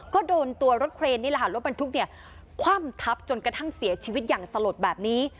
ก็โดนตัวรถเครนนี่แหละค่ะรถบรรทุกเนี่ยคว่ำทับจนกระทั่งเสียชีวิตอย่างสลดแบบนี้